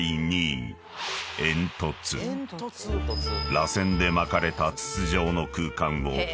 ［らせんで巻かれた筒状の空間を４つ形成］